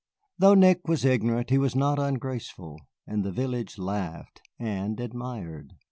Though Nick was ignorant, he was not ungraceful, and the village laughed and admired.